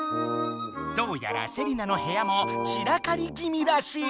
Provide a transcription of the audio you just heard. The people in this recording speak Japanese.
どうやらセリナの部屋も散らかり気みらしい。